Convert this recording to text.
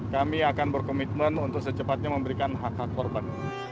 kami akan berkomitmen untuk secepatnya memberikan hak hak korban